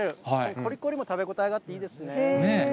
こりこりも食べ応えがあっていいですね。